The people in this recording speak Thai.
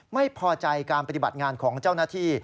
ไม่พอใจการปฏิบัติงานของเจ้าหน้าที่